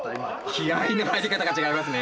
気合いの入り方が違いますね。